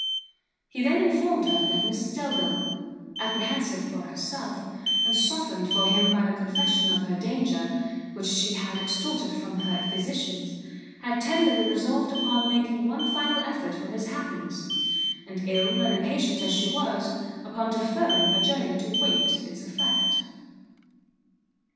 He then informed her that Mrs Delvile, apprehensive for herself, and softened for him by the confession of her danger, which she had extorted from her physicians, had tenderly resolved upon making one final effort for his happiness, and ill and impatient as she was, upon deferring her journey to wait its effect.